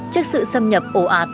trước sự xâm nhập ổ ạt